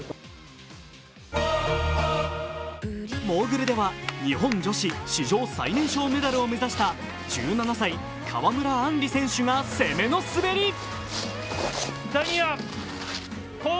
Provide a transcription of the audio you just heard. モーグルでは日本女子史上最年少メダルを目指した１７歳、川村あんり選手が攻めの滑り